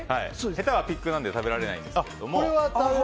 ヘタはピックなので食べられないんですが。